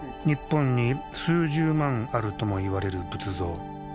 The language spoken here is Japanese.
日本に数十万あるともいわれる仏像。